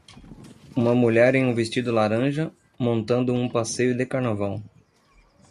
Uma mulher em um vestido laranja, montando um passeio de carnaval.